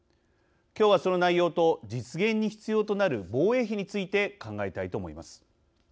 今日は、その内容と実現に必要となる防衛費について考えたいと思います。